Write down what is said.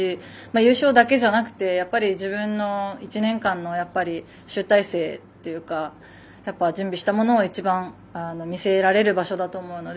優勝だけじゃなくて自分の１年間の集大成というか準備したものを一番、見せられる場所だと思うので。